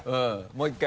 もう１回。